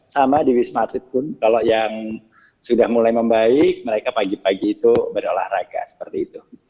sama di wisma atlet pun kalau yang sudah mulai membaik mereka pagi pagi itu berolahraga seperti itu